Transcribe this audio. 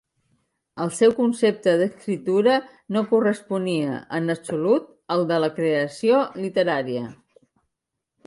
El seu concepte d'escriptura no corresponia, en absolut, al de la creació literària.